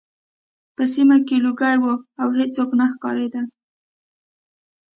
په سیمه کې لوګي وو او هېڅوک نه ښکارېدل